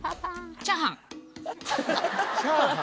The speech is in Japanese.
チャーハン？